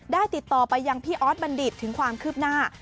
ติดต่อไปยังพี่ออสบัณฑิตถึงความคืบหน้า